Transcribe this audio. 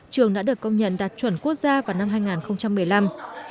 trường đã được công nhận đạt chuẩn quốc gia vào năm hai nghìn một mươi năm